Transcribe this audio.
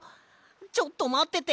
ちょっとまってて！